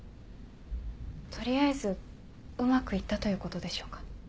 取りあえずうまく行ったということでしょうか？